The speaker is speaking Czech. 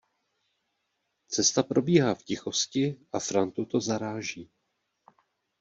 Cesta probíhá v tichosti a Frantu to zaráží.